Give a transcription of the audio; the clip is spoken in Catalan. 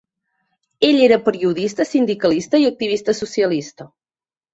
Ell era periodista, sindicalista i activista socialista.